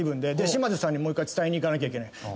で島津さんにもう一回伝えに行かなきゃいけない。